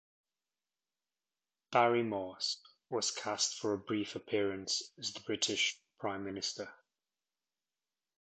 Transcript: Barry Morse was cast for a brief appearance as the British prime minister.